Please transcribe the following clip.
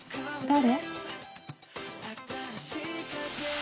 誰？